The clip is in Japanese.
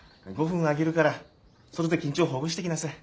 ５分あげるから外で緊張ほぐしてきなさい。